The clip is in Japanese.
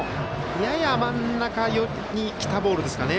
やや真ん中にきたボールですかね。